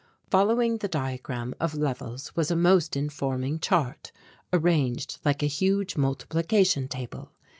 Following the diagram of levels was a most informing chart arranged like a huge multiplication table.